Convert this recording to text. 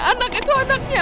anak itu anaknya